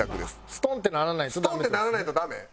ストンってならないとダメ？